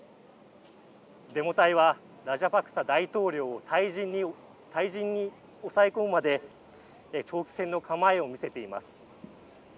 デモ隊はラジャパクサ大統領を退陣に抑え込むまで長期戦の構えを見せています。